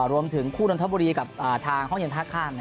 รวมถึงคู่นนทบุรีกับทางห้องเย็นท่าข้าม